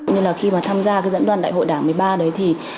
nên là khi mà tham gia cái dẫn đoàn đại hội đảng một mươi ba đấy thì